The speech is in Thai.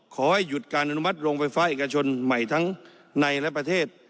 ขอให้หยุดการอนุมัติโรงไฟฟ้าเอกชนใหม่ทั้งในและประเทศ